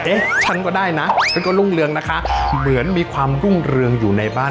ฉันก็ได้นะฉันก็รุ่งเรืองนะคะเหมือนมีความรุ่งเรืองอยู่ในบ้าน